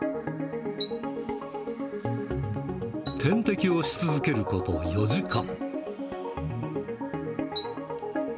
点滴をし続けること４時間。